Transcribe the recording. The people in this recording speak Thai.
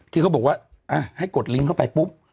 ที่เขาบอกว่าให้กดลิงก์เข้าไปปุ๊บ